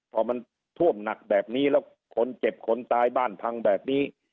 พอมันท่วมหนักแบบนี้แล้วคนเจ็บคนตายบ้านพังแบบนี้